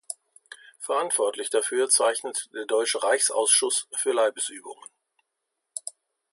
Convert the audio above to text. Verantwortlich dafür zeichnet der Deutsche Reichsausschuß für Leibesübungen.